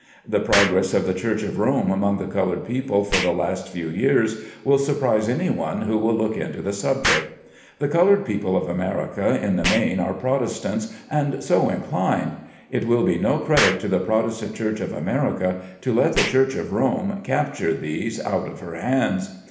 The progress of the Church of Rome among the colored people for the last few years, will surprise anyone who will look into the subject. The colored people of America in the main, are Protestants, and so inclined. It will be no credit to the Protestant Church of America to let the Church of Rome capture these out of her hands.